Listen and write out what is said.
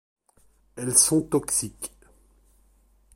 Elles sont toxiques.